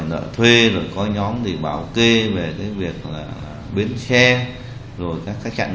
nhưng nghi vấn vẫn chỉ là nghi vấn